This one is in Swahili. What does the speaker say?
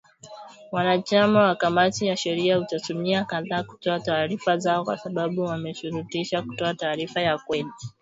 Wanachama wa kamati ya sheria utumia saa kadhaa kutoa taarifa zao kwa sababu wameshurtishwa kutoa taarifa ya kweli